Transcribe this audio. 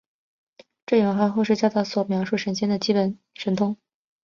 这演化为后世道教所描述神仙的基本神通。